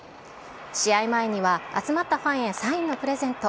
試合前には集まったファンへサインのプレゼント。